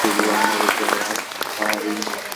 Under him State of Origin was introduced.